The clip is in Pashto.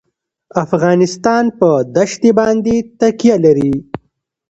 افغانستان په دښتې باندې تکیه لري.